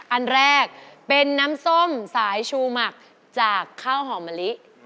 อันแรกเป็นน้ำส้มสายชูหมักจากข้าวหอมมะลิ